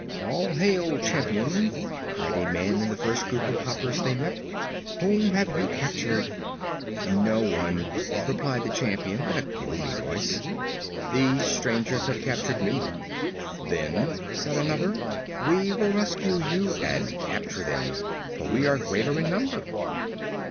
"All hail, Champion!" cried a man in the first group of Hoppers they met; "whom have you captured?" "No one," replied the Champion in a gloomy voice; "these strangers have captured me." "Then," said another, "we will rescue you, and capture them, for we are greater in number."